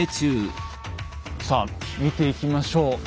さあ見ていきましょう。